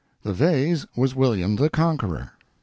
The vase was William the Conqueror.